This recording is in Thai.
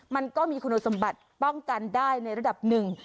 มันก็มีคุณสมบัติป้องกันได้ในระดับหนึ่ง